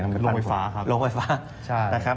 จำไปไฟฟ้าครับ